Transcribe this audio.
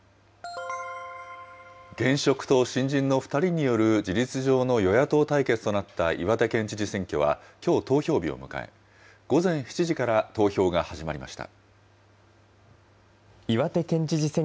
現職と新人の２人による事実上の与野党対決となった岩手県知事選挙は、きょう、投票日を迎え、午前７時から投票が始まりました。